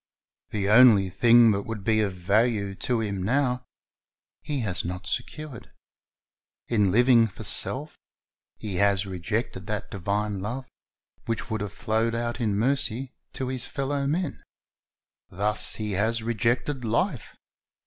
"* The only thing that would be of value to him now, he has not secured. In living for self he has rejected that divine love which Avould have flowed out in mercy to his fellow men. Thus he has rejected life.